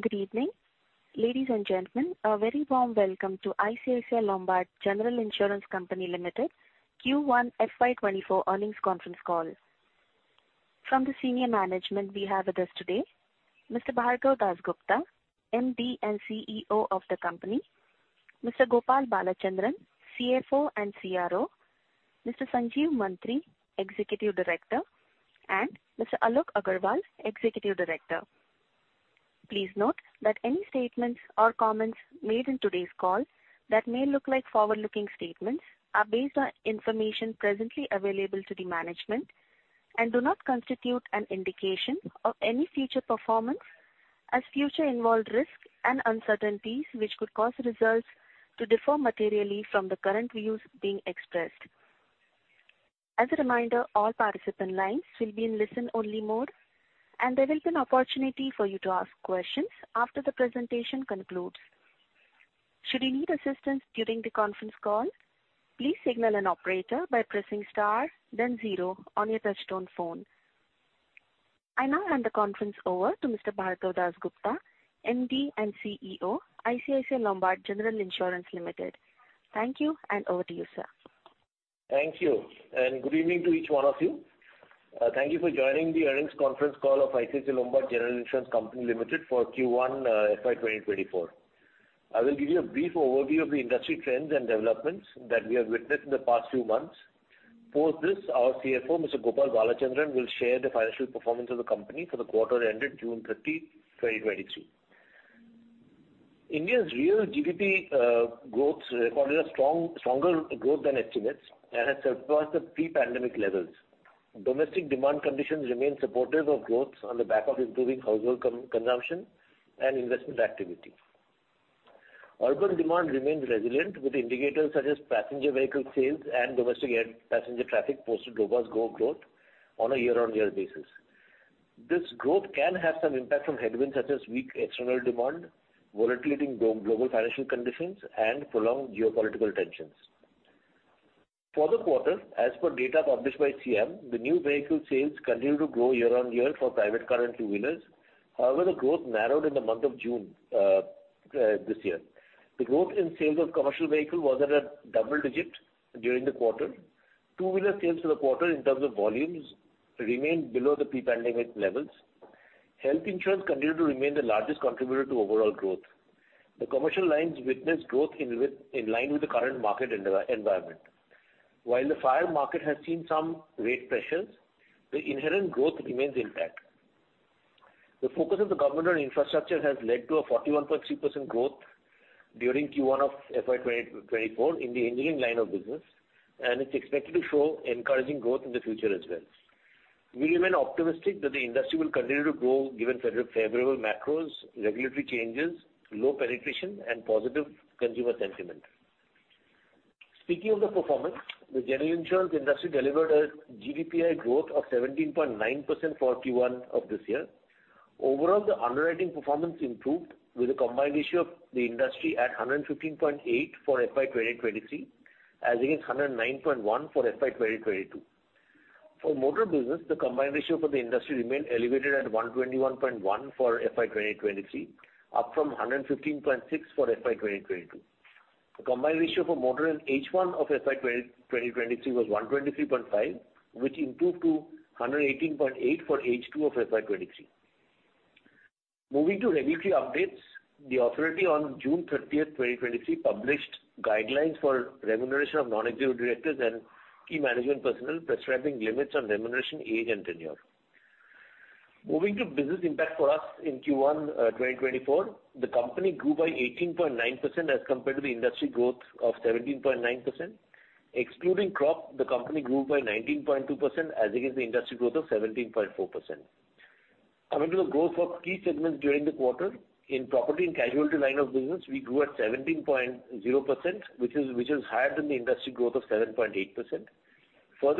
Good evening, ladies and gentlemen, a very warm welcome to ICICI Lombard General Insurance Company Limited Q1 FY 2024 earnings conference call. From the senior management we have with us today, Mr. Bhargav Dasgupta, MD and CEO of the company, Mr. Gopal Balachandran, CFO and CRO, Mr. Sanjeev Mantri, Executive Director, and Mr. Alok Agarwal, Executive Director. Please note that any statements or comments made in today's call that may look like forward-looking statements are based on information presently available to the management and do not constitute an indication of any future performance, as future involved risks and uncertainties, which could cause results to differ materially from the current views being expressed. As a reminder, all participant lines will be in listen-only mode, and there will be an opportunity for you to ask questions after the presentation concludes. Should you need assistance during the conference call, please signal an operator by pressing Star then zero on your touchtone phone. I now hand the conference over to Mr. Bhargav Dasgupta, MD and CEO, ICICI Lombard General Insurance Limited. Thank you, and over to you, sir. Thank you, good evening to each one of you. Thank you for joining the earnings conference call of ICICI Lombard General Insurance Company Limited for Q1 FY 2024. I will give you a brief overview of the industry trends and developments that we have witnessed in the past few months. For this, our CFO, Mr. Gopal Balachandran, will share the financial performance of the company for the quarter ended June 30, 2022. India's real GDP growth recorded a stronger growth than estimates and has surpassed the pre-pandemic levels. Domestic demand conditions remain supportive of growth on the back of improving household consumption and investment activity. Urban demand remains resilient, with indicators such as passenger vehicle sales and domestic air passenger traffic posted robust growth on a year-on-year basis. This growth can have some impact from headwinds, such as weak external demand, volatile global financial conditions, and prolonged geopolitical tensions. For the quarter, as per data published by SIAM, the new vehicle sales continued to grow year-over-year for private car and two-wheelers. The growth narrowed in the month of June this year. The growth in sales of commercial vehicle was at a double-digit during the quarter. Two-wheeler sales for the quarter in terms of volumes remained below the pre-pandemic levels. Health insurance continued to remain the largest contributor to overall growth. The commercial lines witnessed growth in line with the current market environment. The fire market has seen some rate pressures, the inherent growth remains intact. The focus of the government on infrastructure has led to a 41.3% growth during Q1 of FY 2024 in the engineering line of business, it's expected to show encouraging growth in the future as well. We remain optimistic that the industry will continue to grow given favorable macros, regulatory changes, low penetration, and positive consumer sentiment. Speaking of the performance, the general insurance industry delivered a GDPI growth of 17.9% for Q1 of this year. Overall, the underwriting performance improved with a combined ratio of the industry at 115.8% for FY 2023, as against 109.1% for FY 2022. For motor business, the combined ratio for the industry remained elevated at 121.1 for FY 2023, up from 115.6 for FY 2022. The combined ratio for motor in H1 of FY 2023 was 123.5, which improved to 118.8 for H2 of FY 2023. Moving to regulatory updates, the authority on June 30th, 2023, published guidelines for remuneration of non-executive directors and key management personnel, prescribing limits on remuneration, age, and tenure. Moving to business impact for us in Q1 2024, the company grew by 18.9% as compared to the industry growth of 17.9%. Excluding crop, the company grew by 19.2% as against the industry growth of 17.4%. Coming to the growth of key segments during the quarter, in property and casualty line of business, we grew at 17.0%, which is higher than the industry growth of 7.8%.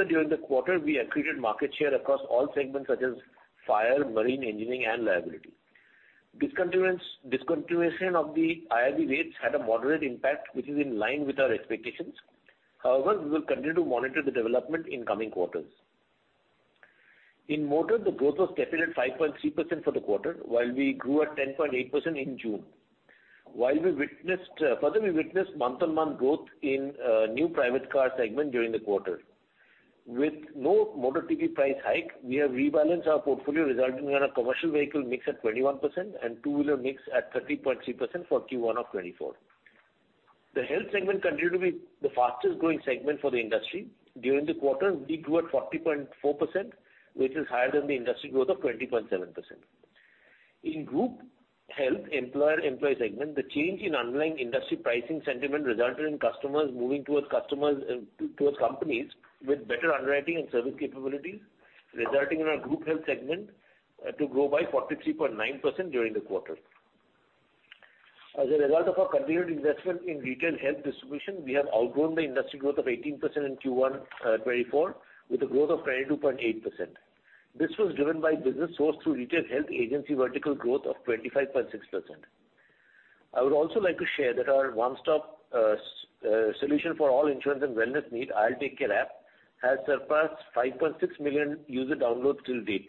During the quarter, we accreted market share across all segments such as fire, marine, engineering, and liability. Discontinuation of the IRDAI rates had a moderate impact, which is in line with our expectations. We will continue to monitor the development in coming quarters. In motor, the growth was tepid at 5.3% for the quarter, while we grew at 10.8% in June. While we witnessed month-on-month growth in new private car segment during the quarter. With no motor TP price hike, we have rebalanced our portfolio, resulting in a commercial vehicle mix at 21% and two-wheeler mix at 30.3% for Q1 of 2024. The health segment continued to be the fastest growing segment for the industry. During the quarter, we grew at 40.4%, which is higher than the industry growth of 20.7%. In group health employer-employee segment, the change in underlying industry pricing sentiment resulted in customers moving towards companies with better underwriting and service capabilities, resulting in our group health segment to grow by 43.9% during the quarter. As a result of our continued investment in retail health distribution, we have outgrown the industry growth of 18% in Q1 2024, with a growth of 22.8%. This was driven by business sourced through retail health agency vertical growth of 25.6%. I would also like to share that our one-stop solution for all insurance and wellness need, IL TakeCare app, has surpassed 5.6 million user downloads till date.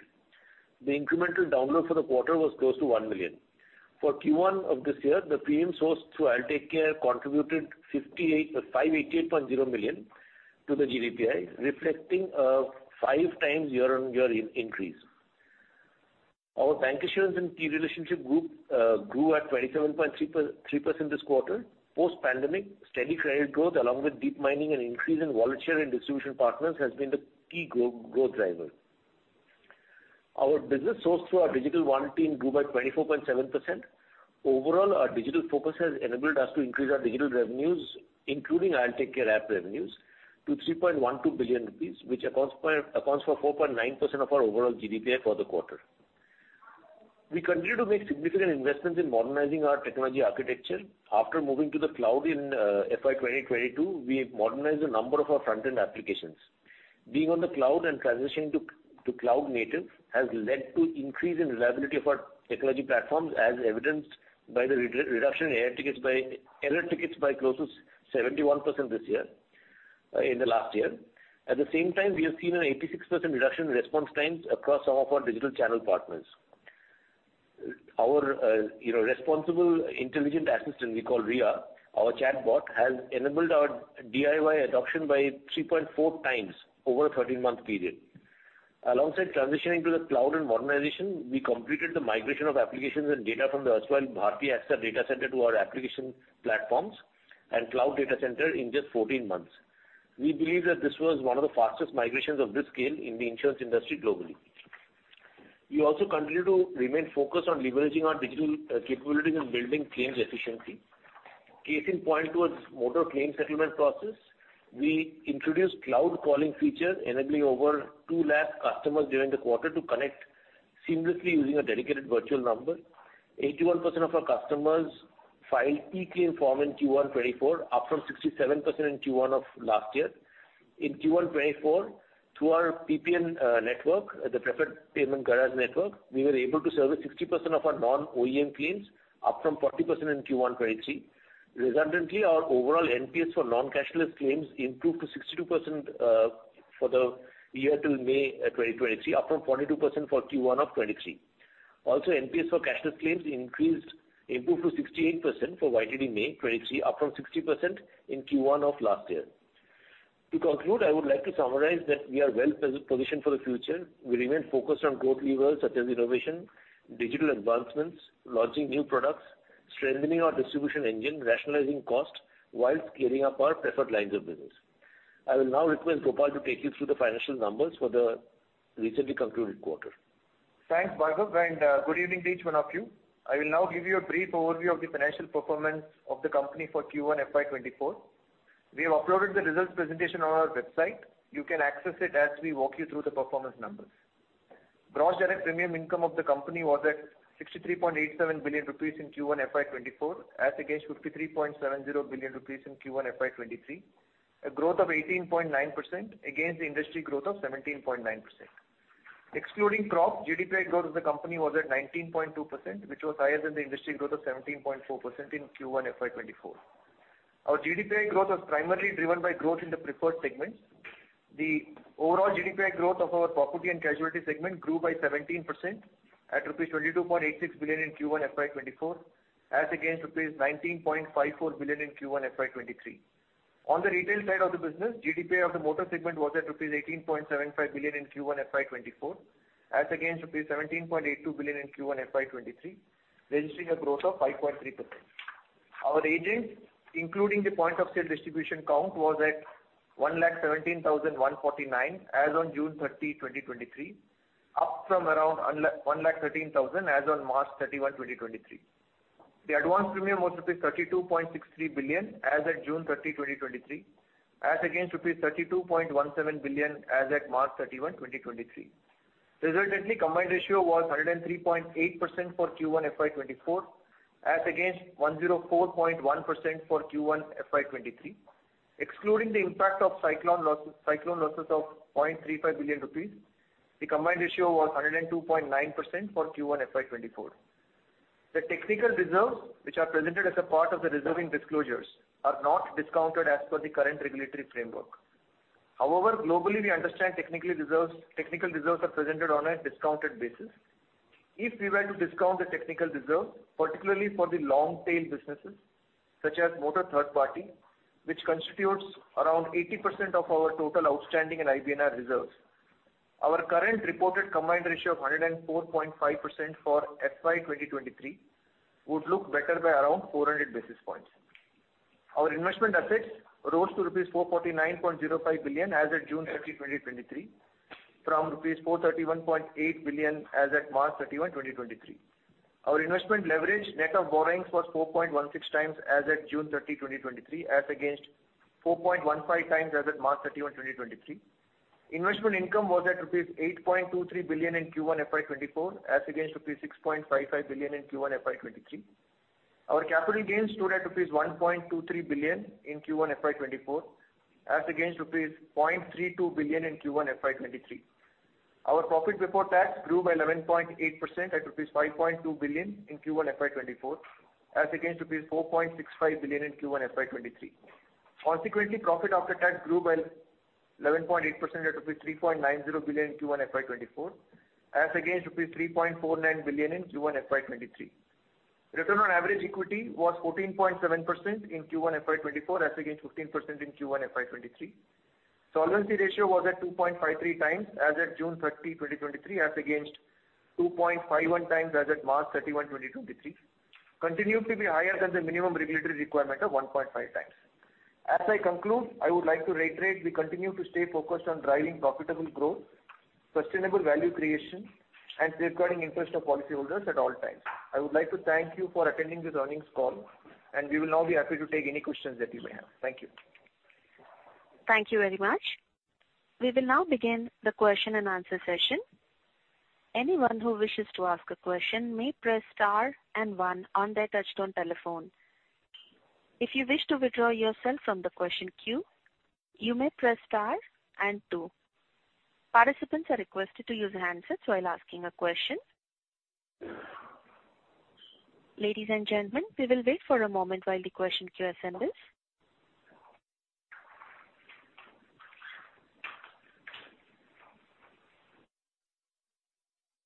The incremental download for the quarter was close to 1 million. For Q1 of this year, the premium sourced through IL TakeCare contributed 588.0 million to the GDPI, reflecting 5x year-on-year increase. Our bank insurance and Key Relationship Group grew at 27.3% this quarter. Post-pandemic, steady credit growth, along with deep mining and increase in wallet share and distribution partners, has been the key growth driver. Our business sourced through our digital one team grew by 24.7%. Overall, our digital focus has enabled us to increase our digital revenues, including IL TakeCare app revenues, to 3.12 billion rupees, which accounts for 4.9% of our overall GDPI for the quarter. We continue to make significant investments in modernizing our technology architecture. After moving to the cloud in FY 2022, we have modernized a number of our front-end applications. Being on the cloud and transitioning to cloud native has led to increase in reliability of our technology platforms, as evidenced by the reduction in error tickets by close to 71% this year, in the last year. At the same time, we have seen an 86% reduction in response times across some of our digital channel partners. Our, you know, Responsible Intelligent Assistant, we call RIA, our chatbot, has enabled our DIY adoption by 3.4x over a 13-month period. Alongside transitioning to the cloud and modernization, we completed the migration of applications and data from the erstwhile Bharti AXA data center to our application platforms and cloud data center in just 14 months. We believe that this was one of the fastest migrations of this scale in the insurance industry globally. We also continue to remain focused on leveraging our digital capabilities and building claims efficiency. Case in point was motor claims settlement process. We introduced cloud calling feature, enabling over two lakh customers during the quarter to connect seamlessly using a dedicated virtual number. 81% of our customers filed e-claim form in Q1 2024, up from 67% in Q1 of last year. In Q1 2024, through our PPN network, the Preferred Payment Guarantee Network, we were able to service 60% of our non-OEM claims, up from 40% in Q1 2023. Resultantly, our overall NPS for non-cashless claims improved to 62% for the year till May, 2023, up from 42% for Q1 of 2023. NPS for cashless claims increased, improved to 68% for YTD May 2023, up from 60% in Q1 of last year. To conclude, I would like to summarize that we are well positioned for the future. We remain focused on growth levers such as innovation, digital advancements, launching new products, strengthening our distribution engine, rationalizing costs, whilst scaling up our preferred lines of business. I will now request Gopal to take you through the financial numbers for the recently concluded quarter. Thanks, Bhargav. Good evening to each one of you. I will now give you a brief overview of the financial performance of the company for Q1 FY 2024. We have uploaded the results presentation on our website. You can access it as we walk you through the performance numbers. Gross direct premium income of the company was at 63.87 billion rupees in Q1 FY 2024, as against 53.70 billion rupees in Q1 FY 2023, a growth of 18.9% against the industry growth of 17.9%. Excluding crop, GDPI growth of the company was at 19.2%, which was higher than the industry growth of 17.4% in Q1 FY 2024. Our GDPI growth was primarily driven by growth in the preferred segments. The overall GDPI growth of our property and casualty segment grew by 17% at rupees 22.86 billion in Q1 FY 2024, as against rupees 19.54 billion in Q1 FY 2023. On the retail side of the business, GDPI of the motor segment was at rupees 18.75 billion in Q1 FY 2024, as against rupees 17.82 billion in Q1 FY 2023, registering a growth of 5.3%. Our agents, including the Point of Sales distribution count, was at 117,149 as on June 30, 2023, up from around 113,000 as on March 31, 2023. The advance premium was rupees 32.63 billion as at June 30, 2023, as against rupees 32.17 billion as at March 31, 2023. Resultantly, combined ratio was 103.8% for Q1 FY 2024, as against 104.1% for Q1 FY 2023. Excluding the impact of cyclone losses, cyclone losses of 0.35 billion rupees, the combined ratio was 102.9% for Q1 FY 2024. The technical reserves, which are presented as a part of the reserving disclosures, are not discounted as per the current regulatory framework. However, globally, we understand technical reserves are presented on a discounted basis. If we were to discount the technical reserve, particularly for the long-tail businesses, such as motor third party, which constitutes around 80% of our total outstanding and IBNR reserves, our current reported combined ratio of 104.5% for FY 2023 would look better by around 400 basis points. Our investment assets rose to rupees 449.05 billion as at June 30, 2023, from rupees 431.8 billion as at March 31, 2023. Our investment leverage net of borrowings was 4.16x as at June 30, 2023, as against 4.15x as at March 31, 2023. Investment income was at INR 8.23 billion in Q1 FY 2024, as against rupees 6.55 billion in Q1 FY 2023. Our capital gains stood at INR 1.23 billion in Q1 FY 2024, as against rupees 0.32 billion in Q1 FY 2023. Our profit before tax grew by 11.8% at rupees 5.2 billion in Q1 FY 2024, as against rupees 4.65 billion in Q1 FY 2023. Consequently, profit after tax grew by 11.8% at rupees 3.90 billion in Q1 FY 2024, as against rupees 3.49 billion in Q1 FY 2023. Return on Average Equity was 14.7% in Q1 FY 2024, as against 15% in Q1 FY 2023. Solvency ratio was at 2.53x as at June 30, 2023, as against 2.51 tx as at March 31, 2023. Continue to be higher than the minimum regulatory requirement of 1.5x. As I conclude, I would like to reiterate, we continue to stay focused on driving profitable growth, sustainable value creation, and safeguarding interest of policyholders at all times. I would like to thank you for attending this earnings call. We will now be happy to take any questions that you may have. Thank you. Thank you very much. We will now begin the question and answer session. Anyone who wishes to ask a question may press star and one on their touchtone telephone. If you wish to withdraw yourself from the question queue, you may press star and two. Participants are requested to use handsets while asking a question. Ladies and gentlemen, we will wait for a moment while the question queue assembles.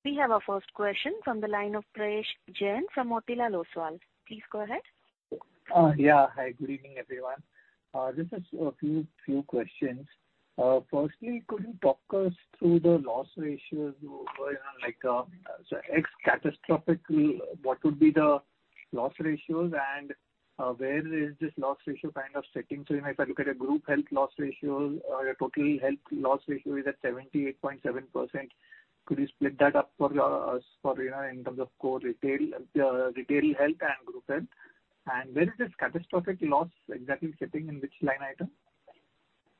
We have our first question from the line of Prayesh Jain from Motilal Oswal. Please go ahead. Yeah. Hi, good evening, everyone. Just a few questions. Firstly, could you talk us through the loss ratios, you know, like, ex-catastrophic, what would be the loss ratios and where is this loss ratio kind of setting? If I look at a group health loss ratio, your total health loss ratio is at 78.7%. Could you split that up for us for, you know, in terms of core retail health and group health? Where is this catastrophic loss exactly sitting, in which line item,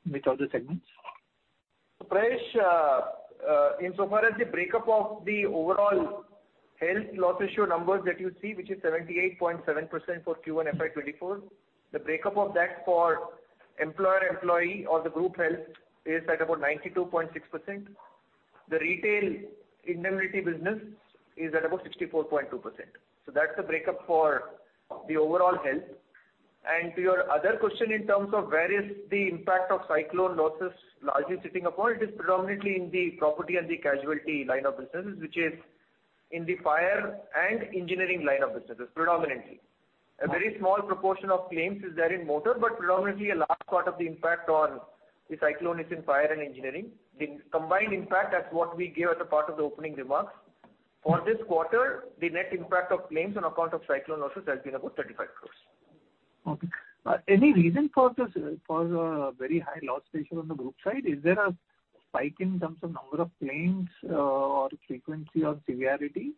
which of the segments? Prayesh, insofar as the breakup of the overall health loss ratio numbers that you see, which is 78.7% for Q1 FY 2024, the breakup of that for employer-employee or the group health is at about 92.6%. The Retail Indemnity business is at about 64.2%. That's the breakup for the overall health. To your other question, in terms of where is the impact of cyclone losses largely sitting upon, it is predominantly in the property and the casualty line of businesses, which is in the fire and engineering line of businesses, predominantly. A very small proportion of claims is there in motor, but predominantly a large part of the impact on the cyclone is in fire and engineering. The combined impact, that's what we gave as a part of the opening remarks. For this quarter, the net impact of claims on account of cyclone losses has been about 35 crores. Any reason for this, for the very high loss ratio on the group side? Is there a spike in terms of number of claims, or frequency or severity?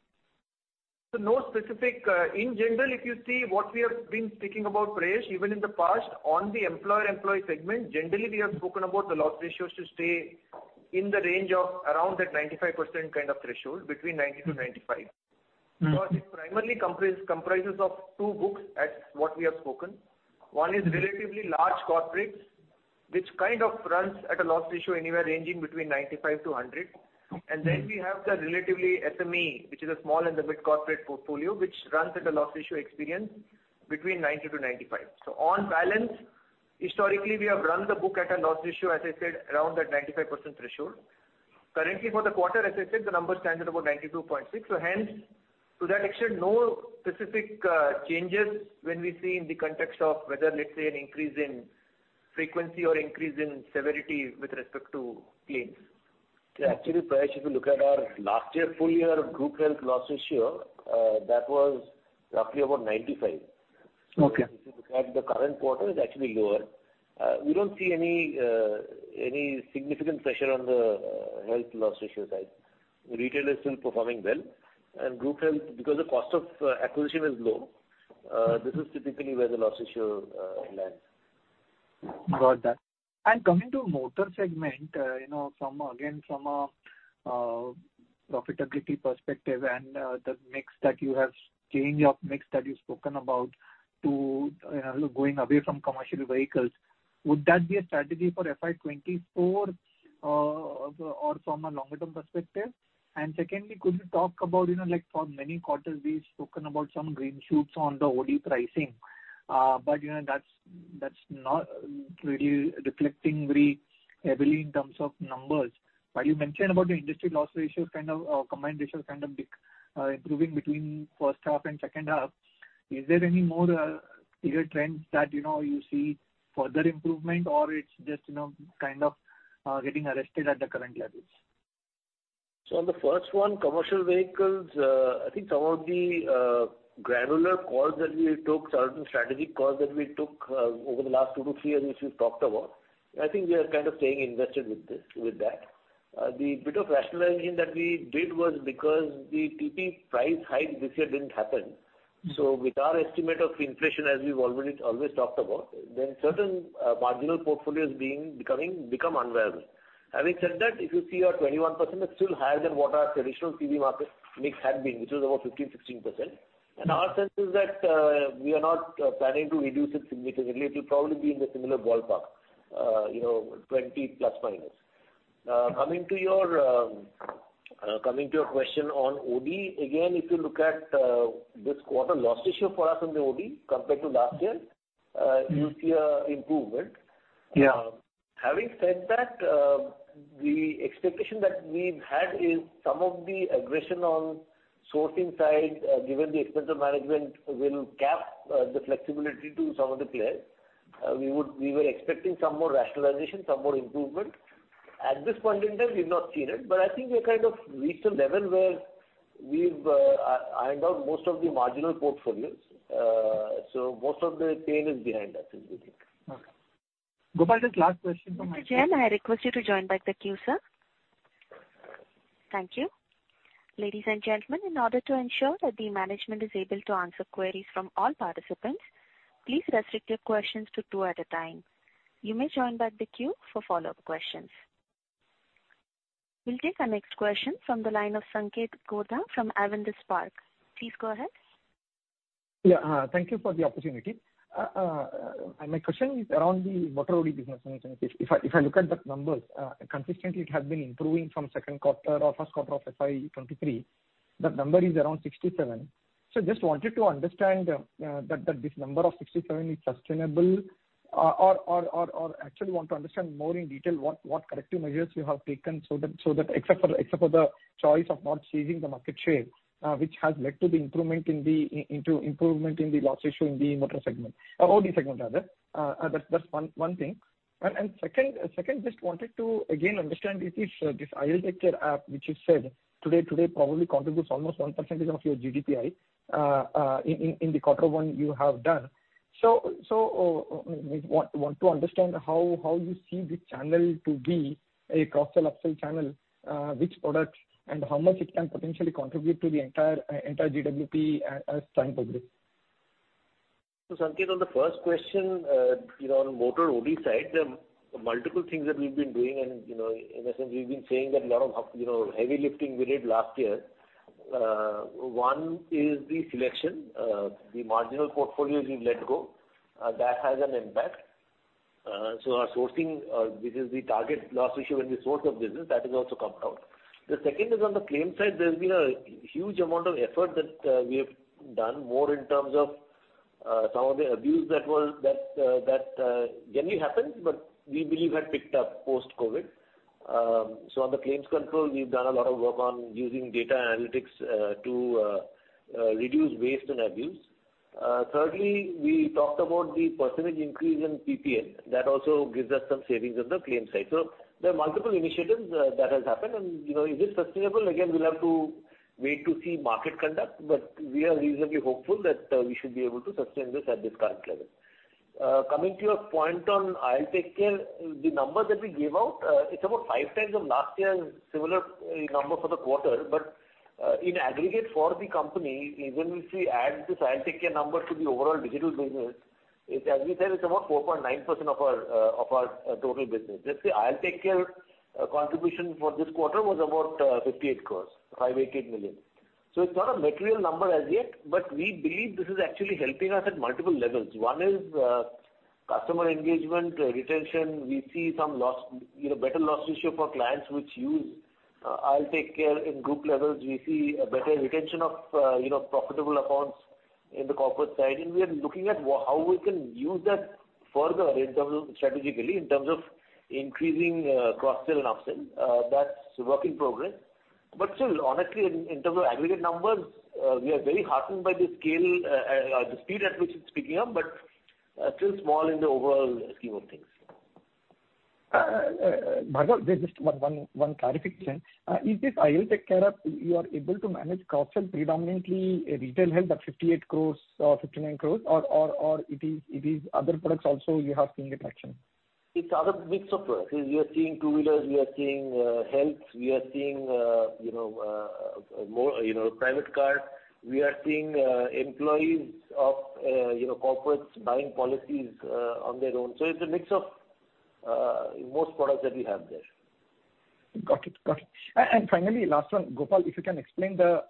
No specific. In general, if you see what we have been speaking about, Prayesh, even in the past, on the employer-employee segment, generally, we have spoken about the loss ratios to stay in the range of around that 95% kind of threshold, between 90%-95%. Mm-hmm. Because it primarily comprises of two books at what we have spoken. One is relatively large corporates, which kind of runs at a loss ratio anywhere ranging between 95% to 100%. Okay. We have the relatively SME, which is a small and the mid-corporate portfolio, which runs at a loss ratio experience between 90%-95%. Historically, we have run the book at a loss ratio, as I said, around that 95% threshold. Currently, for the quarter, as I said, the number stands at about 92.6%. To that extent, no specific changes when we see in the context of whether, let's say, an increase in frequency or increase in severity with respect to claims. Yeah, actually, Prayesh, if you look at our last year, full year group health loss ratio, that was roughly about 95%. Okay. If you look at the current quarter, it's actually lower. We don't see any significant pressure on the health loss ratio side. Retail is still performing well, and group health, because the cost of acquisition is low, this is typically where the loss ratio lands. Got that. Coming to motor segment, you know, from again, from a profitability perspective and the mix that you have, change of mix that you've spoken about to going away from commercial vehicles, would that be a strategy for FY 2024 or from a longer term perspective? Secondly, could you talk about, you know, like for many quarters we've spoken about some green shoots on the OD pricing, but, you know, that's not really reflecting very heavily in terms of numbers. While you mentioned about the industry loss ratios kind of, or combined ratios kind of, improving between first half and second half, is there any more clear trends that, you know, you see further improvement or it's just, you know, kind of, getting arrested at the current levels? On the first one, commercial vehicles, I think some of the granular calls that we took, certain strategic calls that we took, over the last two to three years, which we've talked about, I think we are kind of staying invested with this, with that. The bit of rationalization that we did was because the TP price hike this year didn't happen. Mm. With our estimate of inflation, as we've already always talked about, then certain marginal portfolios become unviable. Having said that, if you see our 21% is still higher than what our traditional PV market mix had been, which was about 15%, 16%. Mm. Our sense is that we are not planning to reduce it significantly. It will probably be in the similar ballpark, you know, 20+, minus. Coming to your question on OD, again, if you look at this quarter loss issue for us in the OD compared to last year, you'll see an improvement. Yeah. Having said that, the expectation that we've had is some of the aggression on sourcing side, given the Expense of Management, will cap the flexibility to some of the players. We were expecting some more rationalization, some more improvement. At this point in time, we've not seen it, but I think we've kind of reached a level where we've ironed out most of the marginal portfolios. Most of the pain is behind us, I think. Okay. Gopal, just last question from- Mr. Jain, I request you to join back the queue, sir. Thank you. Ladies and gentlemen, in order to ensure that the management is able to answer queries from all participants, please restrict your questions to two at a time. You may join back the queue for follow-up questions. We'll take our next question from the line of Sanketh Godha from Avendus Spark. Please go ahead. Yeah, thank you for the opportunity. My question is around the motor OD business. If I look at the numbers, consistently it has been improving from second quarter or first quarter of FY 2023. The number is around 67. Just wanted to understand that this number of 67 is sustainable, or actually want to understand more in detail what corrective measures you have taken so that except for the choice of not seizing the market share, which has led to the improvement in the loss ratio in the motor OD segment, rather. That's one thing. Second, just wanted to again understand if this IL TakeCare app, which you said today probably contributes almost 1% of your GDPI in the quarter one you have done. Want to understand how you see the channel to be a cross-sell, upsell channel, which product and how much it can potentially contribute to the entire GDPI as time progress? Sanketh, on the first question, you know, on motor OD side, there are multiple things that we've been doing. You know, in a sense, we've been saying that a lot of, you know, heavy lifting we did last year. One is the selection, the marginal portfolios we've let go, that has an impact. Our sourcing, which is the target loss ratio and the source of business, that has also come down. The second is on the claim side, there's been a huge amount of effort that we have done more in terms of some of the abuse that was, that generally happens, but we believe had picked up post-COVID. On the claims control, we've done a lot of work on using data analytics to reduce waste and abuse. Thirdly, we talked about the % increase in PPN. That also gives us some savings on the claim side. There are multiple initiatives that has happened. You know, is it sustainable? Again, we'll have to wait to see market conduct, but we are reasonably hopeful that we should be able to sustain this at this current level. Coming to your point on IL TakeCare, the number that we gave out, it's about 5x of last year's similar number for the quarter. In aggregate for the company, even if we add this IL TakeCare number to the overall digital business, it's as we said, it's about 4.9% of our of our total business. Let's say, IL TakeCare contribution for this quarter was about 58 crores, 588 million. It's not a material number as yet, but we believe this is actually helping us at multiple levels. One is customer engagement, retention. We see some loss, you know, better loss ratio for clients which use IL TakeCare. In group levels, we see a better retention of, you know, profitable accounts in the corporate side, we are looking at how we can use that further in terms of strategically, in terms of increasing cross-sell and upsell. That's a work in progress. Still, honestly, in terms of aggregate numbers, we are very heartened by the scale, the speed at which it's picking up, but still small in the overall scheme of things. Bhargav, just one clarification. Is this IL TakeCare app, you are able to manage cross-sell predominantly retail health at 58 crores or 59 crores or it is other products also you have seen it action? It's other mix of products. We are seeing two-wheelers, we are seeing, health, we are seeing, you know, more, you know, private cars. We are seeing, employees of, you know, corporates buying policies, on their own. It's a mix of, most products that we have there. Got it. Got it. Finally, last one, Gopal, if you can explain the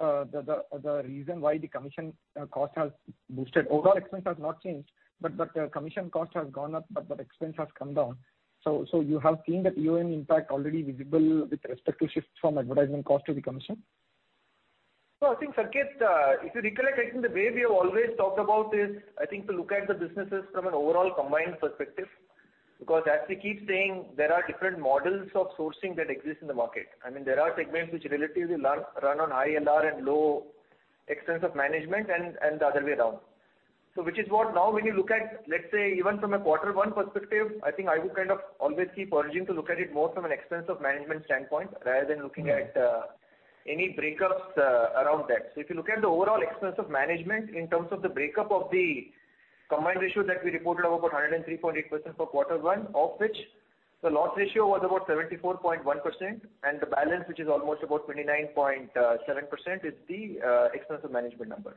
reason why the commission cost has boosted. Overall expense has not changed, but the commission cost has gone up, but the expense has come down. You have seen that EoM impact already visible with respect to shifts from advertising cost to the commission? I think, Sanketh, if you recollect, I think the way we have always talked about this, I think to look at the businesses from an overall combined perspective, because as we keep saying, there are different models of sourcing that exist in the market. I mean, there are segments which relatively run on high LR and low Expense of Management and the other way around. Which is what now when you look at, let's say, even from a quarter one perspective, I think I would kind of always keep urging to look at it more from an Expense of Management standpoint, rather than looking at. Mm-hmm.... any breakups around that. If you look at the overall Expense of Management in terms of the breakup of the combined ratio that we reported about 103.8% for quarter one, of which the loss ratio was about 74.1%, and the balance, which is almost about 29.7%, is the Expense of Management number.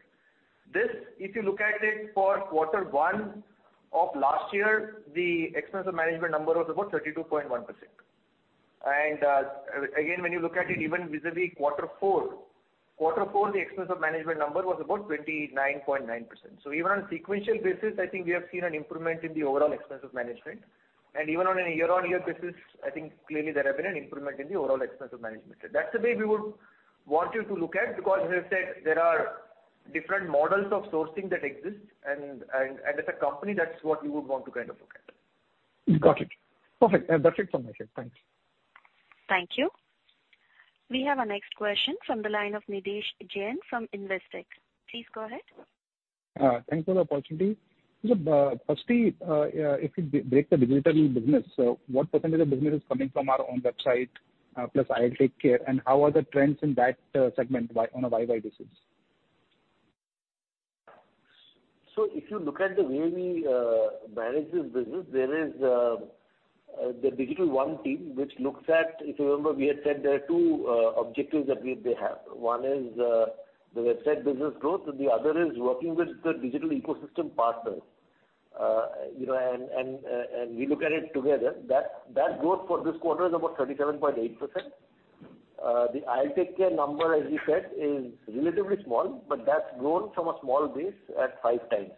This, if you look at it for quarter one of last year, the Expense of Management number was about 32.1%. Again, when you look at it even vis-à-vis quarter four, the Expense of Management number was about 29.9%. Even on a sequential basis, I think we have seen an improvement in the overall Expense of Management. Even on a year-on-year basis, I think clearly there has been an improvement in the overall Expense of Management. That's the way we would want you to look at, because as I said, there are different models of sourcing that exist, and as a company, that's what we would want to kind of look at. Got it. Perfect. That's it from my side. Thanks. Thank you. We have our next question from the line of Nidhesh Jain from Investec. Please go ahead. Thanks for the opportunity. firstly, if you break the digital business, what percentage of business is coming from our own website, plus IL TakeCare, and how are the trends in that segment year-over-year basis? If you look at the way we manage this business, there is the digital one team. If you remember, we had said there are two objectives that they have. One is the website business growth, and the other is working with the digital ecosystem partners. You know, and we look at it together, that growth for this quarter is about 37.8%. The IL TakeCare number, as we said, is relatively small, but that's grown from a small base at five times,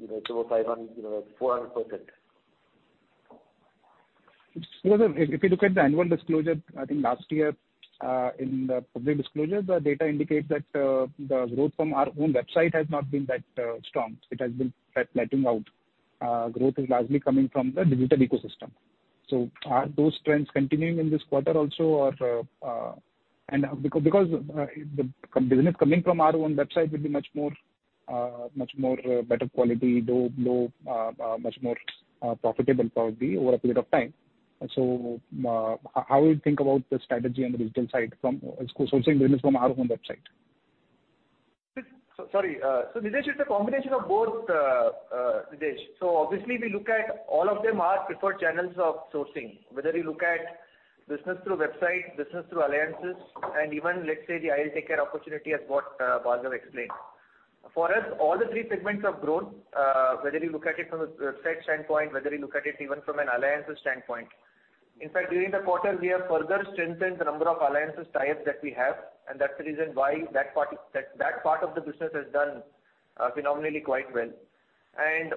you know, it's about 500%, you know, 400%. If you look at the annual disclosure, I think last year, in the public disclosure, the data indicates that the growth from our own website has not been that strong. It has been flat, flattening out. Growth is largely coming from the digital ecosystem. Are those trends continuing in this quarter also? Because the business coming from our own website will be much more better quality, though low, much more profitable probably over a period of time. How we think about the strategy on the digital side from sourcing business from our own website? Sorry. Nidhesh, it's a combination of both, Nidhesh. Obviously, we look at all of them, our preferred channels of sourcing, whether you look at business through website, business through alliances, and even, let's say, the IL TakeCare opportunity, as what Bhargav explained. For us, all the three segments have grown, whether you look at it from a website standpoint, whether you look at it even from an alliances standpoint. In fact, during the quarter, we have further strengthened the number of alliances tie-ups that we have, and that's the reason why that part of the business has done phenomenally quite well.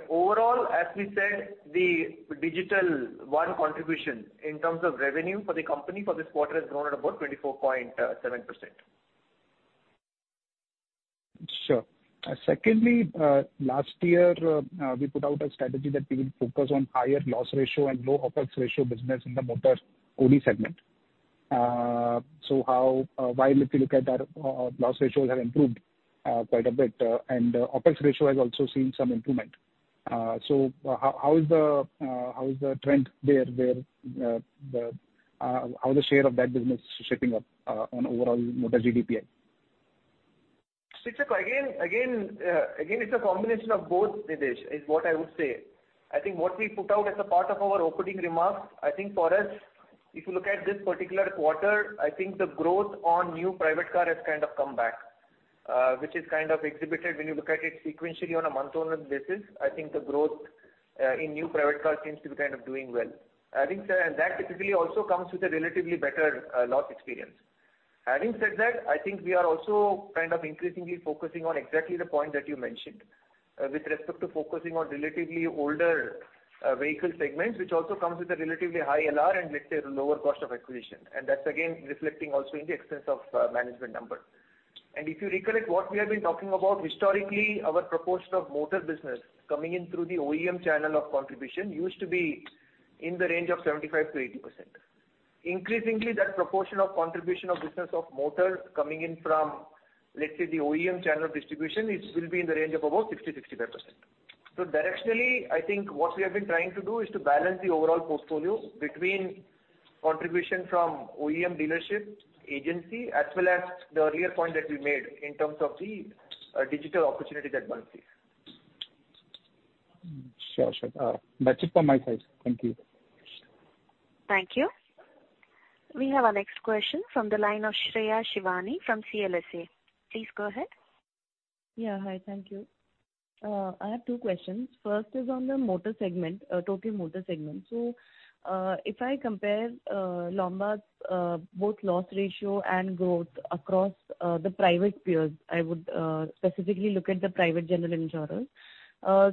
Overall, as we said, the digital one contribution in terms of revenue for the company for this quarter has grown at about 24.7%. Sure. Secondly, last year, we put out a strategy that we will focus on higher loss ratio and low OpEx ratio business in the motor OD segment. How, while if you look at our loss ratios have improved quite a bit, and OpEx ratio has also seen some improvement, how is the trend there, where the share of that business is shaping up on overall motor GDPI? Look, again, it's a combination of both, Nidhesh, is what I would say. I think what we put out as a part of our opening remarks, I think for us, if you look at this particular quarter, I think the growth on new private car has kind of come back, which is kind of exhibited when you look at it sequentially on a month-on-month basis. I think the growth in new private car seems to be kind of doing well. I think that typically also comes with a relatively better loss experience. Having said that, I think we are also kind of increasingly focusing on exactly the point that you mentioned, with respect to focusing on relatively older vehicle segments, which also comes with a relatively high LR and, let's say, a lower cost of acquisition. That's again reflecting also in the Expense of Management number. If you recollect what we have been talking about, historically, our proportion of motor business coming in through the OEM channel of contribution used to be in the range of 75%-80%. Increasingly, that proportion of contribution of business of motor coming in from, let's say, the OEM channel of distribution, it will be in the range of about 60%-65%. Directionally, I think what we have been trying to do is to balance the overall portfolio between contribution from OEM dealership, agency, as well as the earlier point that we made in terms of the digital opportunity that Bhargav said. Sure, sure. That's it from my side. Thank you. Thank you. We have our next question from the line of Shreya Shivani from CLSA. Please go ahead. Yeah, hi. Thank you. I have two questions. First is on the motor segment, total motor segment. If I compare Lombard's both loss ratio and growth across the private peers, I would specifically look at the private general insurers.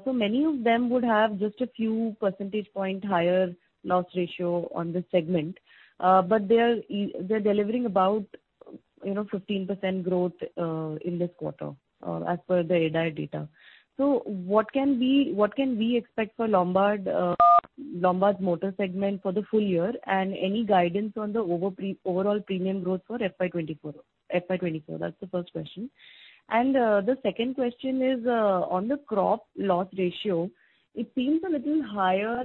Many of them would have just a few percentage point higher loss ratio on this segment, but they are delivering about, you know, 15% growth in this quarter, as per the IRDAI data. What can we expect for Lombard's motor segment for the full year, and any guidance on the overall premium growth for FY 2024? That's the first question. The second question is on the crop loss ratio, it seems a little higher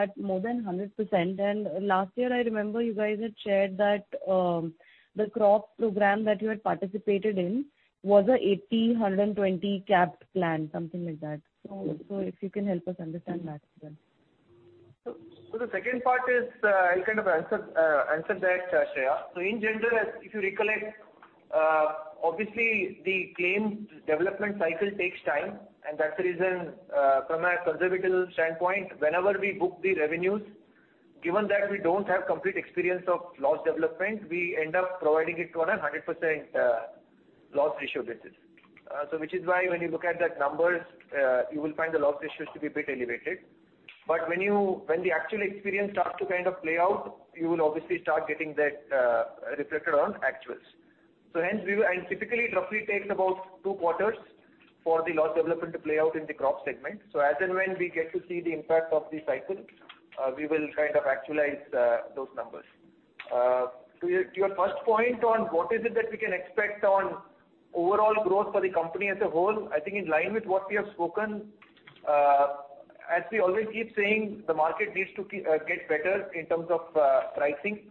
at more than 100%. Last year, I remember you guys had shared that the crop program that you had participated in was a 80/120 capped plan, something like that. If you can help us understand that as well. The second part is, I'll kind of answer that, Shreya. In general, if you recollect, obviously, the claims development cycle takes time, and that's the reason, from a conservative standpoint, whenever we book the revenues, given that we don't have complete experience of loss development, we end up providing it on a 100% loss ratio basis. Which is why when you look at the numbers, you will find the loss ratios to be a bit elevated. But when the actual experience starts to kind of play out, you will obviously start getting that reflected on actuals. Hence, and typically, it roughly takes about two quarters for the loss development to play out in the crop segment. As and when we get to see the impact of the cycle, we will kind of actualize those numbers. To your, to your first point on what is it that we can expect on overall growth for the company as a whole, I think in line with what we have spoken, as we always keep saying, the market needs to get better in terms of pricing.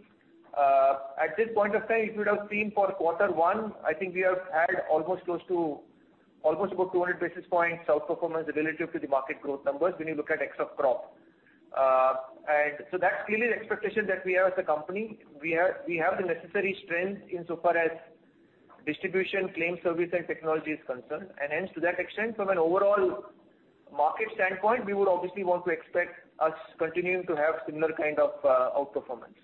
At this point of time, if you would have seen for quarter one, I think we have had almost close to almost about 200 basis points outperformance relative to the market growth numbers when you look at x of crop. That's clearly the expectation that we have as a company. We have the necessary strength insofar as distribution, claim service, and technology is concerned. Hence, to that extent, from an overall market standpoint, we would obviously want to expect us continuing to have similar kind of outperformance.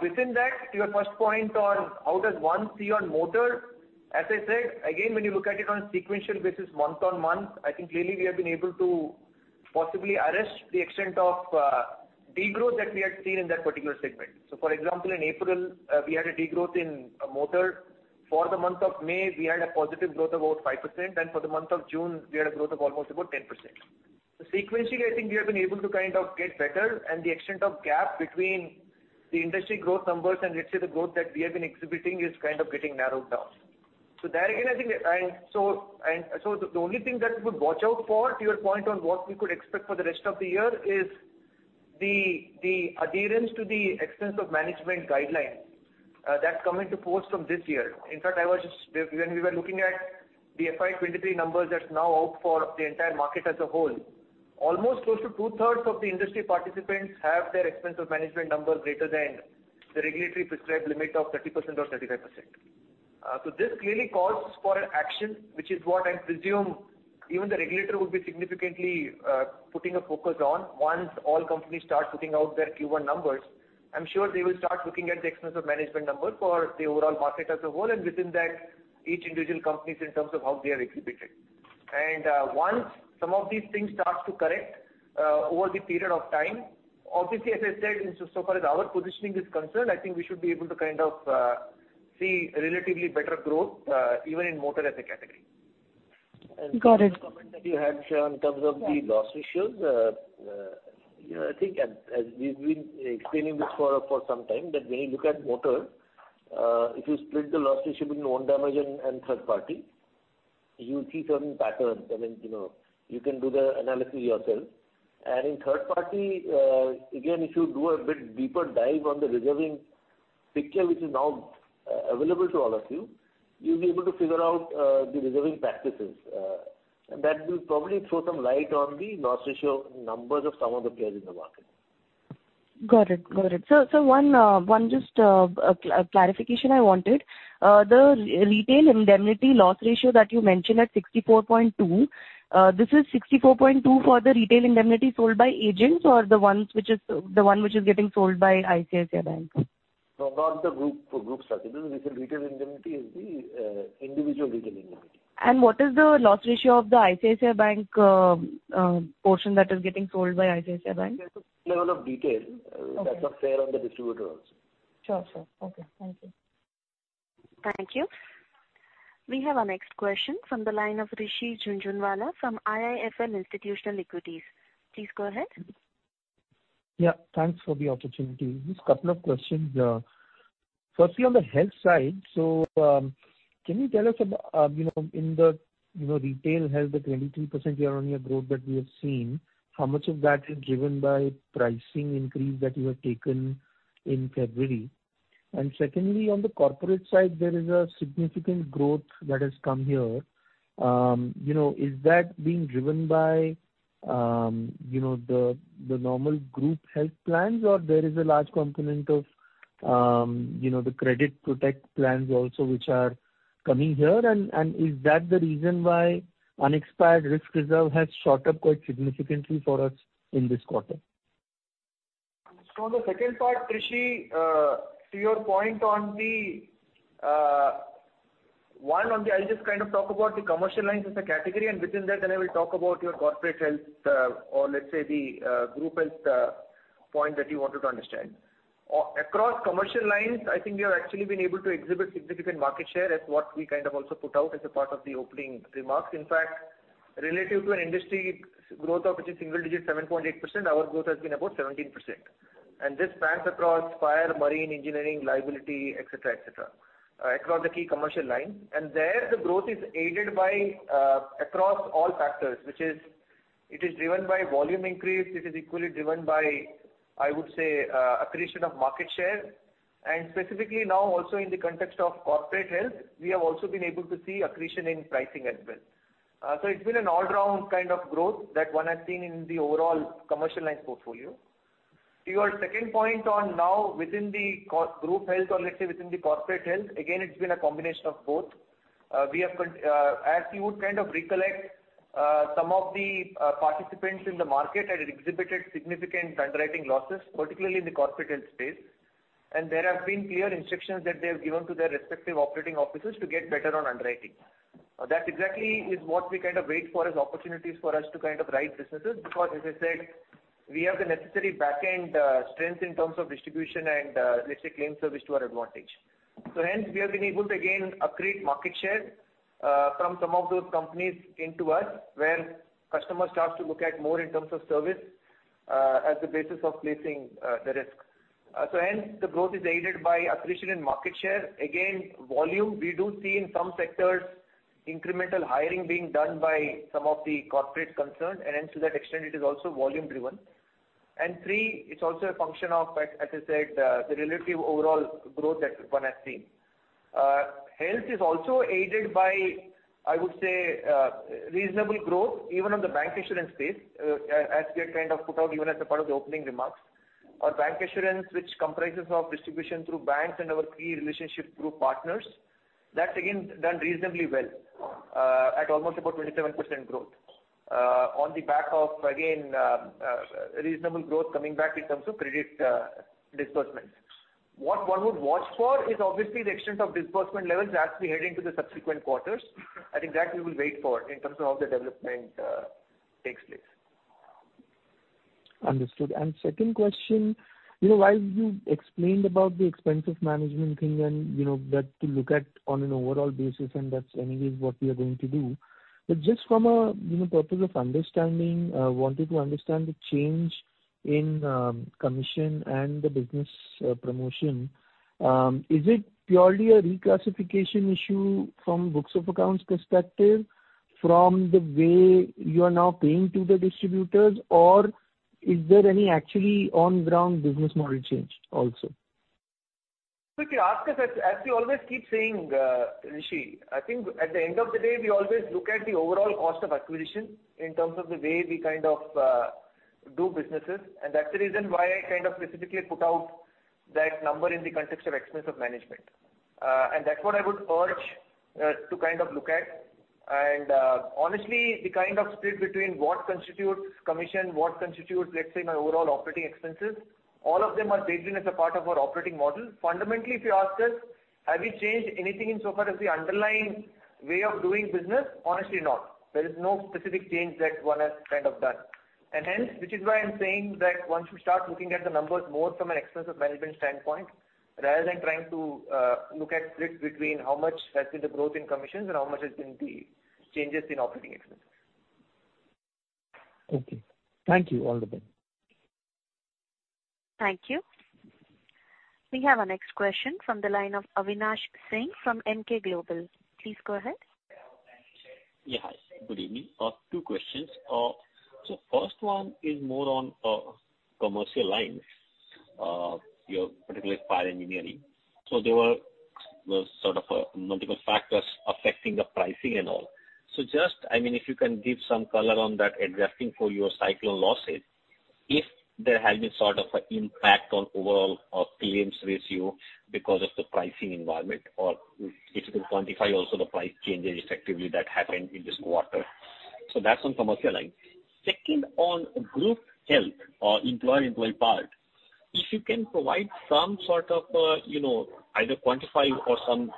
Within that, to your first point on how does one see on motor? As I said, again, when you look at it on a sequential basis, month-on-month, I think clearly we have been able to possibly arrest the extent of degrowth that we had seen in that particular segment. For example, in April, we had a degrowth in motor. For the month of May, we had a positive growth about 5%, and for the month of June, we had a growth of almost about 10%. Sequentially, I think we have been able to kind of get better, and the extent of gap between the industry growth numbers and let's say, the growth that we have been exhibiting is kind of getting narrowed down. There again, I think, and so the only thing that we would watch out for, to your point on what we could expect for the rest of the year, is the adherence to the Expense of Management guidelines that come into force from this year. In fact, when we were looking at the FY 2023 numbers that's now out for the entire market as a whole, almost close to two-thirds of the industry participants have their Expense of Management numbers greater than the regulatory prescribed limit of 30% or 35%. This clearly calls for an action, which is what I presume even the regulator would be significantly putting a focus on once all companies start putting out their Q1 numbers. I'm sure they will start looking at the Expense of Management numbers for the overall market as a whole, and within that, each individual companies in terms of how they are exhibited. Once some of these things start to correct over the period of time, obviously, as I said, insofar as our positioning is concerned, I think we should be able to kind of see relatively better growth even in motor as a category. Got it. The comment that you had, in terms of the loss ratios, you know, I think as we've been explaining this for some time, that when you look at motor, if you split the loss ratio between own damage and third party, you see certain patterns. I mean, you know, you can do the analysis yourself. In third party, again, if you do a bit deeper dive on the reserving picture, which is now available to all of you'll be able to figure out the reserving practices, and that will probably throw some light on the loss ratio numbers of some of the players in the market. Got it. Got it. One just clarification I wanted. The Retail Indemnity loss ratio that you mentioned at 64.2, this is for the Retail Indemnity sold by agents or the one which is getting sold by ICICI Bank? No, not the group structure. This is Retail Indemnity is the individual Retail Indemnity. what is the loss ratio of the ICICI Bank portion that is getting sold by ICICI Bank? Level of detail. Okay. That's not fair on the distributor also. Sure, sir. Okay. Thank you. Thank you. We have our next question from the line of Rishi Jhunjhunwala from IIFL Institutional Equities. Please go ahead. Yeah, thanks for the opportunity. Just a couple of questions. Firstly, on the health side, so, can you tell us, you know, in the, you know, retail health, the 23% year-on-year growth that we have seen, how much of that is driven by pricing increase that you have taken in February? Secondly, on the corporate side, there is a significant growth that has come here. You know, is that being driven by, you know, the normal group health plans, or there is a large component of, you know, the credit protect plans also, which are coming here? Is that the reason why unexpired risk reserve has shot up quite significantly for us in this quarter? The second part, Rishi, to your point on the. I'll just kind of talk about the commercial lines as a category, and within that, then I will talk about your corporate health, or let's say the group health point that you wanted to understand. Across commercial lines, I think we have actually been able to exhibit significant market share as what we kind of also put out as a part of the opening remarks. In fact, relative to an industry growth of which is single-digit, 7.8%, our growth has been about 17%. This spans across fire, marine, engineering, liability, et cetera, et cetera, across the key commercial lines. There, the growth is aided by across all factors, which is, it is driven by volume increase. It is equally driven by, I would say, accretion of market share. Specifically now, also in the context of corporate health, we have also been able to see accretion in pricing as well. So it's been an all-round kind of growth that one has seen in the overall commercial line portfolio. To your second point on now within the co- group health or let's say within the corporate health, again, it's been a combination of both. We have been, as you would kind of recollect, some of the participants in the market had exhibited significant underwriting losses, particularly in the corporate health space. There have been clear instructions that they have given to their respective operating officers to get better on underwriting. That exactly is what we kind of wait for as opportunities for us to kind of write businesses, because as I said, we have the necessary back-end strength in terms of distribution and, let's say, claim service to our advantage. So hence, we have been able to again accrete market share from some of those companies into us, where customer starts to look at more in terms of service as the basis of placing the risk. So hence, the growth is aided by accretion in market share. Again, volume, we do see in some sectors, incremental hiring being done by some of the corporate concerned, and hence, to that extent, it is also volume driven. And three, it's also a function of, as I said, the relative overall growth that one has seen. Health is also aided by, I would say, reasonable growth, even on the bank insurance space, as we have kind of put out even as a part of the opening remarks. Our bank insurance, which comprises of distribution through banks and our key relationship through partners, that's again done reasonably well, at almost about 27% growth. On the back of, again, reasonable growth coming back in terms of credit, disbursements. What one would watch for is obviously the extent of disbursement levels as we head into the subsequent quarters. I think that we will wait for in terms of how the development takes place. Understood. Second question, you know, while you explained about the Expense of Management thing and, you know, that to look at on an overall basis, and that's anyways what we are going to do. Just from a, you know, purpose of understanding, wanted to understand the change in commission and the business promotion. Is it purely a reclassification issue from books of accounts perspective, from the way you are now paying to the distributors, or is there any actually on ground business model change also? If you ask us, as we always keep saying, Rishi, I think at the end of the day, we always look at the overall cost of acquisition in terms of the way we kind of do businesses. That's the reason why I kind of specifically put out that number in the context of Expense of Management. That's what I would urge to kind of look at. Honestly, the kind of split between what constitutes commission, what constitutes, let's say, my overall operating expenses, all of them are taken as a part of our operating model. Fundamentally, if you ask us, have we changed anything in so far as the underlying way of doing business? Honestly, not. There is no specific change that one has kind of done. Hence, which is why I'm saying that one should start looking at the numbers more from an Expense of Management standpoint, rather than trying to look at splits between how much has been the growth in commissions and how much has been the changes in operating expenses. Okay. Thank you. All the best. Thank you. We have our next question from the line of Avinash Singh from Emkay Global. Please go ahead. Yeah, hi, good evening. Two questions. First one is more on commercial lines, your particularly fire engineering. There was sort of multiple factors affecting the pricing and all. Just, I mean, if you can give some color on that, adjusting for your cyclone losses, if there has been sort of an impact on overall claims ratio because of the pricing environment, or if you could quantify also the price changes effectively that happened in this quarter. That's on commercial line. Second, on group health, employer, employee part, if you can provide some sort of, you know, either quantify or some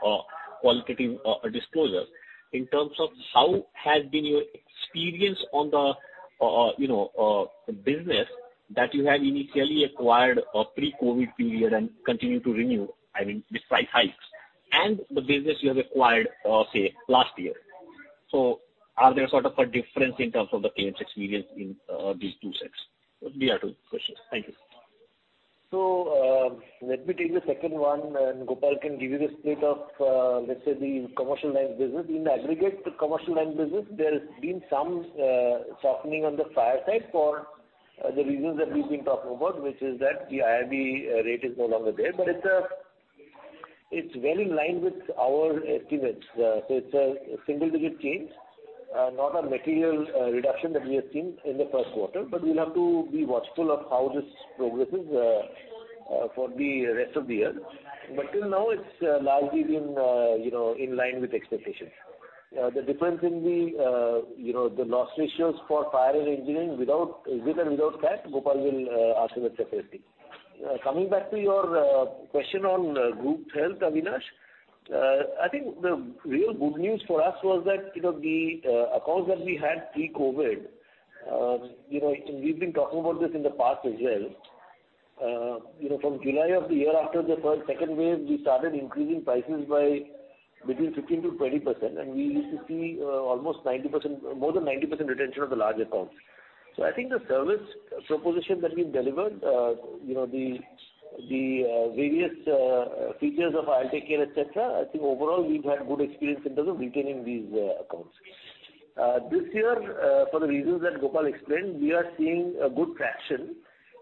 qualitative disclosure in terms of how has been your experience on the, you know, business that you had initially acquired, pre-COVID period and continue to renew, I mean, with price hikes and the business you have acquired, say, last year. Are there sort of a difference in terms of the claims experience in these two sets? These are two questions. Thank you. Let me take the second one, and Gopal can give you the split of, let's say, the commercial line business. In aggregate, the commercial line business, there has been some softening on the fire side for the reasons that we've been talking about, which is that the IIB rate is no longer there. It's well in line with our estimates. It's a single-digit change, not a material reduction that we have seen in the first quarter. We'll have to be watchful of how this progresses for the rest of the year. Till now, it's largely been, you know, in line with expectations. The difference in the, you know, the loss ratios for fire and engineering with and without fact, Gopal will answer that separately. coming back to your question on group health, Avinash, I think the real good news for us was that, you know, the accounts that we had pre-COVID, you know, and we've been talking about this in the past as well. you know, from July of the year after the first, second wave, we started increasing prices by between 15%-20%, and we used to see almost more than 90% retention of the large accounts. I think the service proposition that we delivered, you know, the various features of IL TakeCare, et cetera, I think overall, we've had good experience in terms of retaining these accounts. This year, for the reasons that Gopal explained, we are seeing a good traction